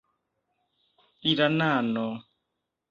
iranano